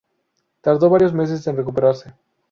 Tardó varios meses en recuperarse.